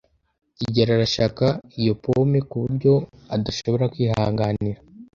kigeli arashaka iyo pome kuburyo adashobora kwihanganira.